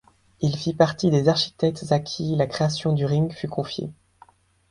Il fit partie des architectes à qui la création du Ring fut confiée.